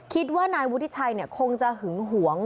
คิดว่านายวุฒิชัยคงจะหึงหวง